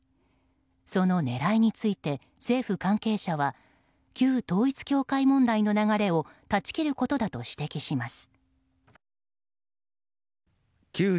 その狙いについて、政府関係者は旧統一教会問題の流れを断ち切ることだと指摘します。